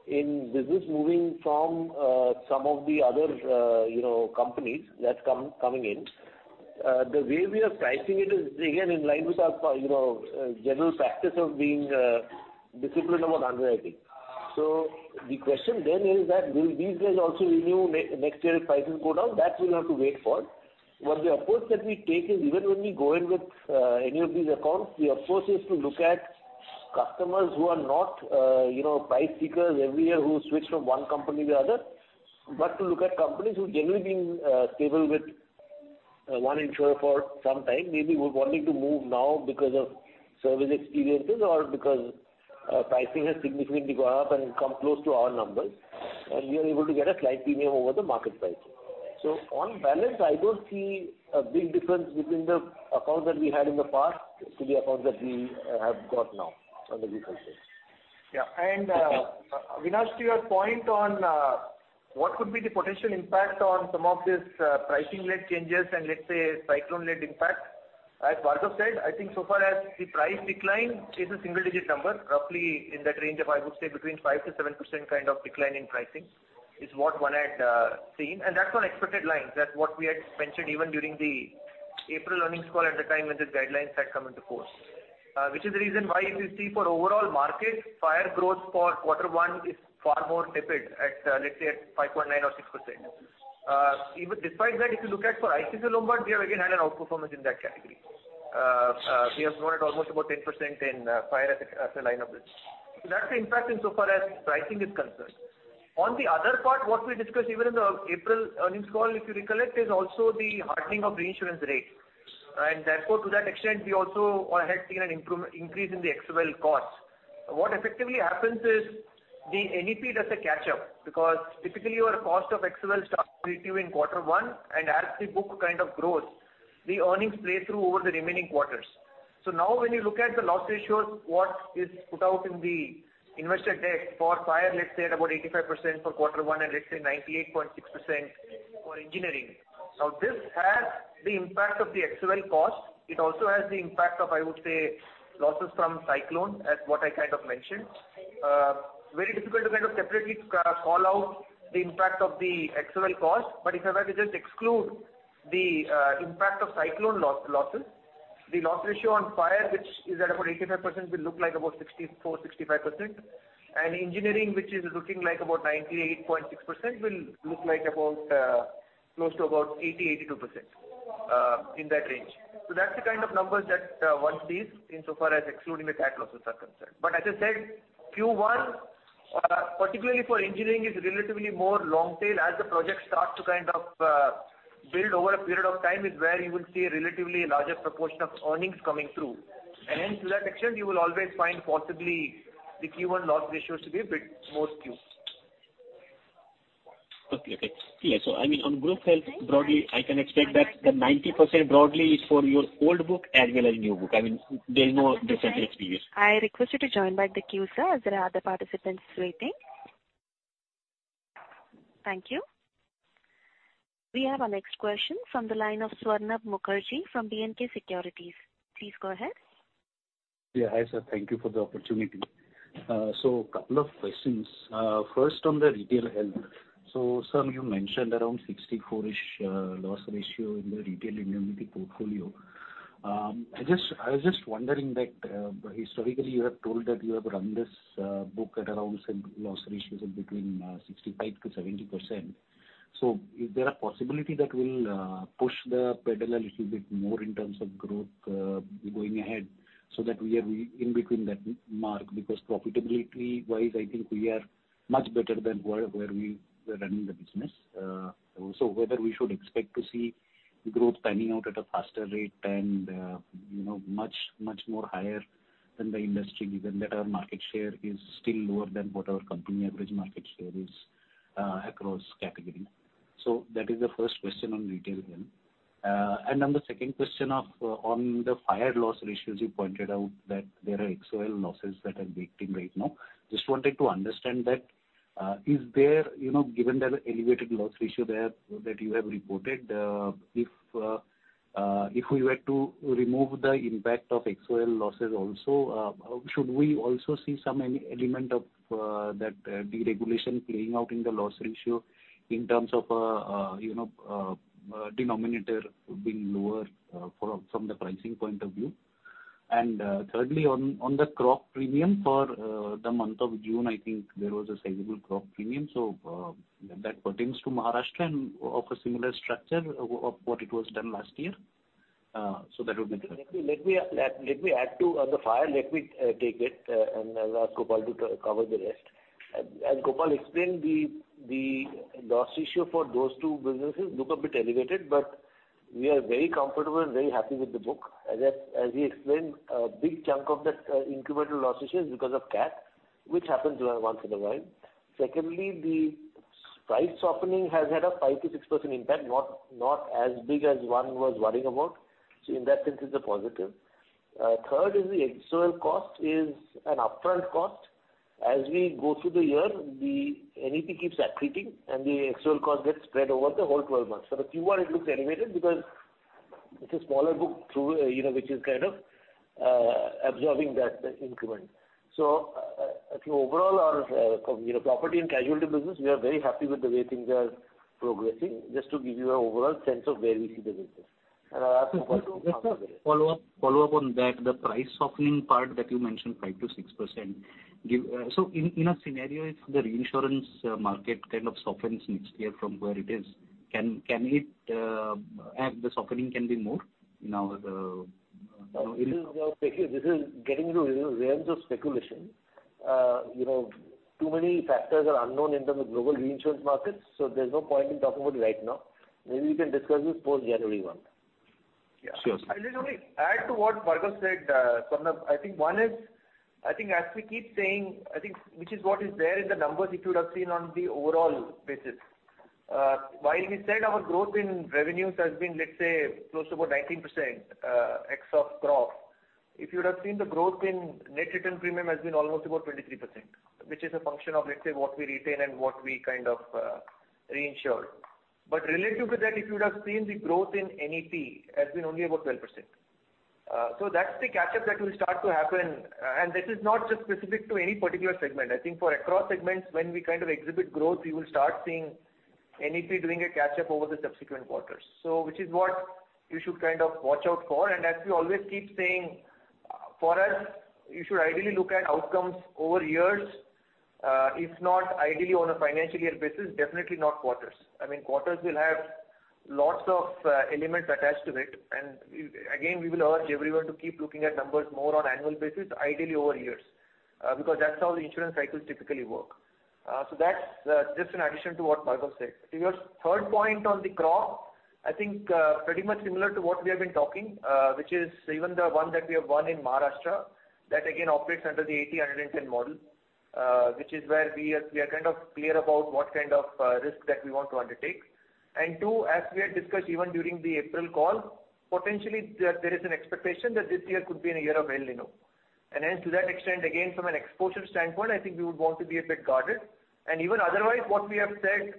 in business moving from, some of the other, you know, companies that's coming in.... the way we are pricing it is again in line with our, you know, general practice of being disciplined about underwriting. The question then is that will these guys also renew next year if prices go down? That we'll have to wait for. The approach that we take is even when we go in with any of these accounts, the approach is to look at customers who are not, you know, price seekers every year who switch from one company to the other. To look at companies who've generally been stable with one insurer for some time, maybe were wanting to move now because of service experiences or because pricing has significantly gone up and come close to our numbers, and we are able to get a slight premium over the market price. On balance, I don't see a big difference between the accounts that we had in the past to the accounts that we have got now on the group health side. Avinash, to your point on what could be the potential impact on some of this pricing led changes and let's say, cyclone led impact, as Bhargav said, I think so far as the price decline is a single digit number, roughly in that range of, I would say between 5%-7% kind of decline in pricing is what one had seen. That's on expected lines. That's what we had mentioned even during the April earnings call at the time when the guidelines had come into force. Which is the reason why you see for overall market, fire growth for quarter one is far more tepid at, let's say at 5.9% or 6%. Even despite that, if you look at for ICICI Lombard, we have again had an outperformance in that category. We have grown at almost about 10% in fire as a line of business. That's the impact in so far as pricing is concerned. On the other part, what we discussed even in the April earnings call, if you recollect, is also the hardening of reinsurance rates. Therefore, to that extent, we also had seen an increase in the XOL costs. What effectively happens is, the NEP does a catch up, because typically your cost of XOL starts accreting in quarter one, and as the book kind of grows, the earnings play through over the remaining quarters. Now when you look at the loss ratios, what is put out in the investor deck for fire, let's say at about 85% for quarter one and let's say 98.6% for engineering. Now, this has the impact of the XOL cost. It also has the impact of, I would say, losses from cyclone, as what I kind of mentioned. Very difficult to kind of separately call out the impact of the XOL cost, but if I were to just exclude the impact of cyclone losses, the loss ratio on fire, which is at about 85%, will look like about 64%-65%. Engineering, which is looking like about 98.6%, will look like about close to about 80%-82% in that range. That's the kind of numbers that one sees in so far as excluding the cat losses are concerned. As I said, Q1, particularly for engineering, is relatively more long tail. As the projects start to kind of, build over a period of time is where you will see a relatively larger proportion of earnings coming through. Hence, to that extent, you will always find possibly the Q1 loss ratios to be a bit more skewed. Okay, okay. Yeah, I mean, on group health, broadly, I can expect that the 90% broadly is for your old book as well as new book. I mean, there is no different experience. I request you to join back the queue, sir, as there are other participants waiting. Thank you. We have our next question from the line of Swarnabha Mukherjee from B&K Securities. Please go ahead. Hi, sir. Thank you for the opportunity. Couple of questions. First, on the retail health. Sir, you mentioned around 64-ish loss ratio in the retail indemnity portfolio. I was just wondering that historically, you have told that you have run this book at around some loss ratios of between 65%-70%. Is there a possibility that we'll push the pedal a little bit more in terms of growth going ahead so that we are in between that mark? Profitability-wise, I think we are much better than where we were running the business. Whether we should expect to see growth panning out at a faster rate and, you know, much more higher than the industry, given that our market share is still lower than what our company average market share is, across categories. That is the first question on retail health. Then the second question of on the fire loss ratios, you pointed out that there are XOL losses that are waiting right now. Just wanted to understand that, is there, you know, given the elevated loss ratio there that you have reported, if we were to remove the impact of XOL losses also, should we also see some element of that deregulation playing out in the loss ratio in terms of, you know, denominator being lower from the pricing point of view? Thirdly, on the crop premium for the month of June, I think there was a sizable crop premium. That pertains to Maharashtra and of a similar structure of what it was done last year. That would be three. Let me add to, on the fire, let me take it, and I'll ask Gopal to cover the rest. As Gopal explained, the loss ratio for those two businesses look a bit elevated, but we are very comfortable and very happy with the book. As I, as he explained, a big chunk of that incremental loss ratio is because of cat, which happens once in a while. Secondly, the price softening has had a 5%-6% impact, not as big as one was worrying about. In that sense, it's a positive. Third is the XOL cost is an upfront cost. As we go through the year, the NEP keeps accreting, and the XOL cost gets spread over the whole 12 months. The Q1, it looks elevated because it's a smaller book through, you know, which is absorbing that, the increment. I think overall our, you know, property and casualty business, we are very happy with the way things are progressing, just to give you an overall sense of where we see the business. I ask you- Just a follow-up on that, the price softening part that you mentioned, 5%-6%. So in a scenario, if the reinsurance market kind of softens next year from where it is, can it, and the softening can be more in our. This is getting into the realms of speculation. You know, too many factors are unknown in terms of global reinsurance markets, so there's no point in talking about it right now. Maybe we can discuss this post January one. Yeah. Sure, sir. I just only add to what Bhargav said, Swarnabha. One is, as we keep saying, which is what is there in the numbers if you would have seen on the overall basis. While we said our growth in revenues has been, let's say, close to about 19%, ex of crop, if you would have seen the growth in net return premium has been almost about 23%, which is a function of, let's say, what we retain and what we kind of reinsure. Relative to that, if you would have seen the growth in NEP, has been only about 12%. That's the catch-up that will start to happen, and this is not just specific to any particular segment. I think for across segments, when we kind of exhibit growth, we will start seeing NEP doing a catch-up over the subsequent quarters. Which is what you should kind of watch out for. As we always keep saying, for us, you should ideally look at outcomes over years, if not ideally on a financial year basis, definitely not quarters. I mean, quarters will have lots of elements attached to it, and we, again, we will urge everyone to keep looking at numbers more on annual basis, ideally over years, because that's how the insurance cycles typically work. That's just an addition to what Bhargav said. To your third point on the crop, I think, pretty much similar to what we have been talking, which is even the one that we have won in Maharashtra, that again operates under the 80-110 model, which is where we are kind of clear about what kind of risk that we want to undertake. Two, as we had discussed even during the April call, potentially there is an expectation that this year could be a year of El Niño. Hence, to that extent, again, from an exposure standpoint, I think we would want to be a bit guarded. Even otherwise, what we have said,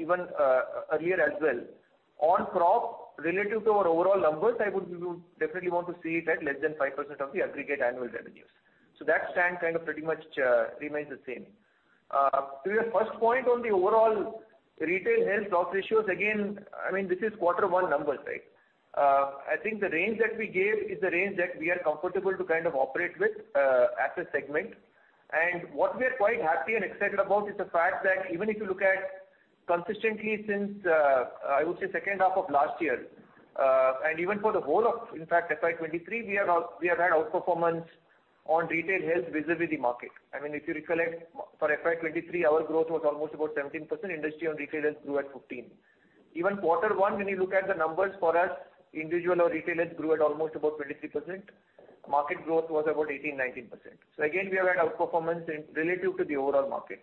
even earlier as well, on crop, relative to our overall numbers, we would definitely want to see it at less than 5% of the aggregate annual revenues. That stand kind of pretty much remains the same. To your first point on the overall retail health loss ratios, again, I mean, this is quarter one numbers, right? I think the range that we gave is the range that we are comfortable to kind of operate with as a segment. What we are quite happy and excited about is the fact that even if you look at consistently since, I would say second half of last year, and even for the whole of in fact FY 2023, we have had outperformance on retail health vis-à-vis the market. I mean, if you recollect, for FY 2023, our growth was almost about 17%, industry on retail health grew at 15. Even quarter one, when you look at the numbers for us, individual or retail health grew at almost about 23%. Market growth was about 18%, 19%. Again, we have had outperformance in relative to the overall market.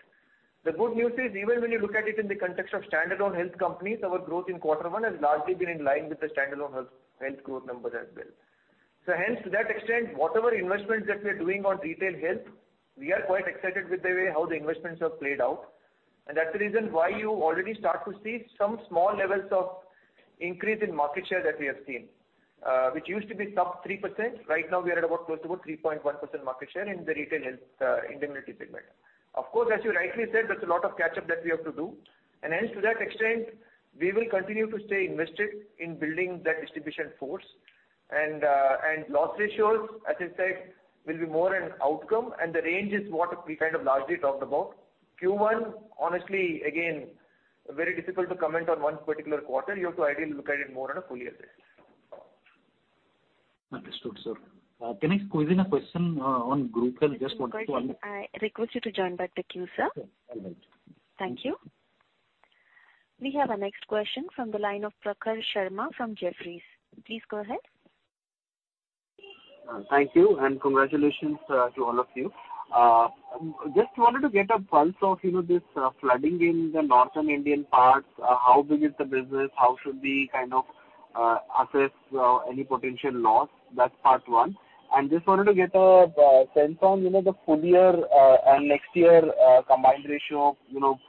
The good news is, even when you look at it in the context of standalone health companies, our growth in quarter one has largely been in line with the standalone health growth numbers as well. Hence, to that extent, whatever investments that we are doing on retail health, we are quite excited with the way how the investments have played out. That's the reason why you already start to see some small levels of increase in market share that we have seen, which used to be sub 3%. Right now we are at about close to about 3.1% market share in the retail health indemnity segment. Of course, as you rightly said, there's a lot of catch-up that we have to do. Hence, to that extent, we will continue to stay invested in building that distribution force. Loss ratios, as I said, will be more an outcome, and the range is what we kind of largely talked about. Q1, honestly, again, very difficult to comment on one particular quarter. You have to ideally look at it more on a full year basis. Understood, sir. Can I squeeze in a question, on group and just want to. I request you to join back the queue, sir. All right. Thank you. We have our next question from the line of Prakhar Sharma from Jefferies. Please go ahead. Thank you, and congratulations to all of you. Just wanted to get a pulse of, you know, this flooding in the northern Indian parts. How big is the business? How should we kind of assess any potential loss? That's part one. Just wanted to get a sense on, you know, the full year and next year combined ratio, you know,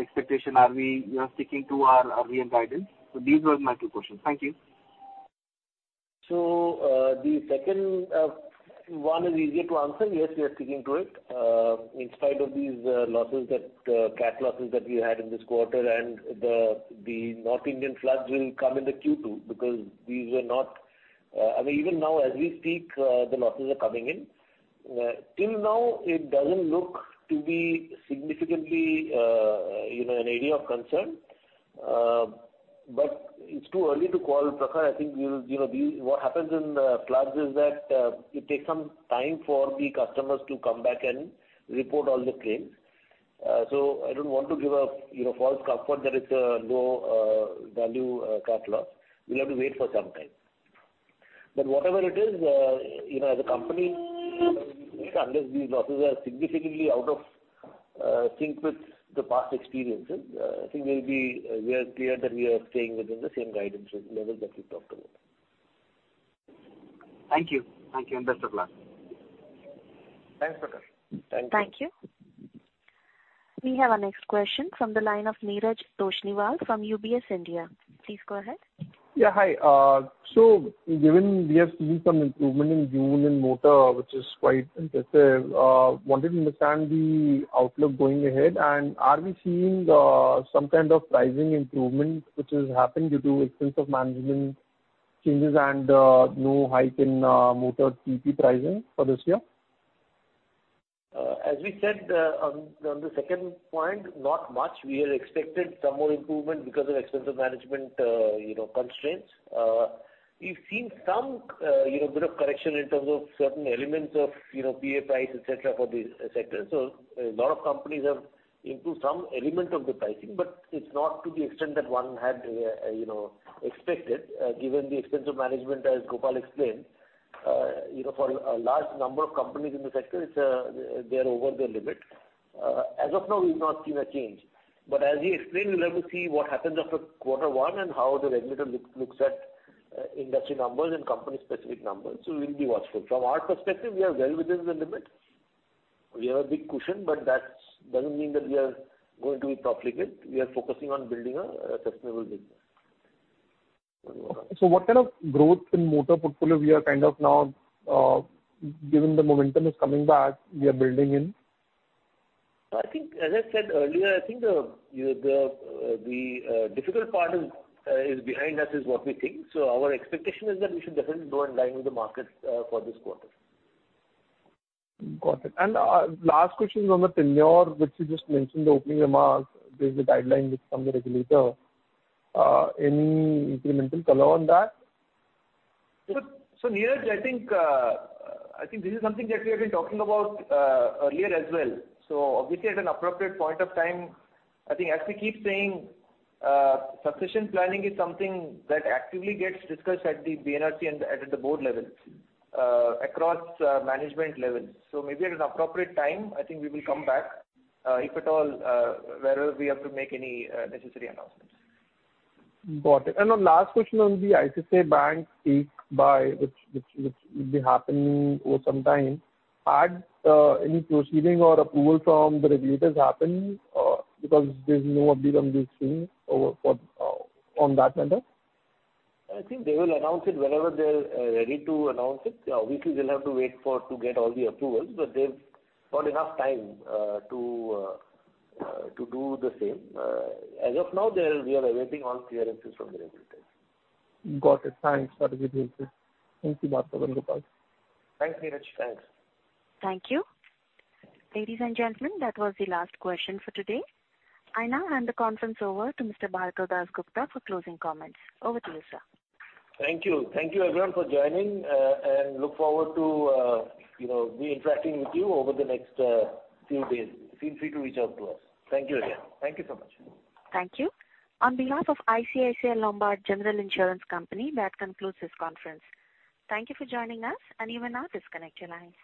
expectation. Are we, you know, sticking to our reguidance? These were my two questions. Thank you. The second one is easier to answer. Yes, we are sticking to it. In spite of these losses that cat losses that we had in this quarter and the North Indian floods will come in the Q2, because these were not... I mean, even now as we speak, the losses are coming in. Till now, it doesn't look to be significantly, you know, an area of concern. It's too early to call, Prakhar. I think, you know, what happens in the floods is that it takes some time for the customers to come back and report all the claims. I don't want to give a, you know, false comfort that it's a low value cat loss. We'll have to wait for some time. Whatever it is, you know, as a company, unless these losses are significantly out of sync with the past experiences, I think we'll be, we are clear that we are staying within the same guidance levels that we talked about. Thank you. Thank you, and best of luck. Thanks, Prakhar. Thank you. We have our next question from the line of Neeraj Toshniwal from UBS India. Please go ahead. Hi. Given we have seen some improvement in June in motor, which is quite impressive, wanted to understand the outlook going ahead. Are we seeing some kind of pricing improvement which has happened due to Expense of Management changes and no hike in motor TP pricing for this year? As we said, on the second point, not much. We had expected some more improvement because of Expense of Management, you know, constraints. We've seen some, you know, bit of correction in terms of certain elements of, you know, PA price, et cetera, for the sector. A lot of companies have improved some element of the pricing, but it's not to the extent that one had, you know, expected, given the Expense of Management, as Gopal explained. You know, for a large number of companies in the sector, it's, they are over their limit. As of now, we've not seen a change, but as we explained, we'll have to see what happens after quarter one and how the regulator looks at industry numbers and company specific numbers. We'll be watchful. From our perspective, we are well within the limit. We have a big cushion, that's doesn't mean that we are going to be profligate. We are focusing on building a sustainable business. What kind of growth in motor portfolio we are kind of now, given the momentum is coming back, we are building in? I think, as I said earlier, I think the, you know, the difficult part is behind us, is what we think. Our expectation is that we should definitely go in line with the market for this quarter. Got it. Last question is on the tenure, which you just mentioned the opening remarks. There's a guideline which from the regulator in implementing color on that. Neeraj, I think this is something that we have been talking about, earlier as well. Obviously, at an appropriate point of time, I think as we keep saying, succession planning is something that actively gets discussed at the BNRC and at the board level, across, management levels. Maybe at an appropriate time, I think we will come back, if at all, wherever we have to make any, necessary announcements. Got it. The last question on the ICICI Bank stake buy, which will be happening over some time. Had any proceeding or approval from the regulators happened, because there's no update on this thing over for on that matter? I think they will announce it whenever they're ready to announce it. Obviously, they'll have to wait for to get all the approvals, but they've got enough time to do the same. As of now, we are awaiting all clearances from the regulators. Got it. Thanks for the details. Thank you, Bhargav and Gopal. Thanks, Neeraj. Thanks. Thank you. Ladies and gentlemen, that was the last question for today. I now hand the conference over to Mr. Bhargav Dasgupta for closing comments. Over to you, sir. Thank you. Thank you, everyone, for joining, and look forward to, you know, be interacting with you over the next few days. Feel free to reach out to us. Thank you again. Thank you so much. Thank you. On behalf of ICICI Lombard General Insurance Company, that concludes this conference. Thank you for joining us,F and you may now disconnect your lines.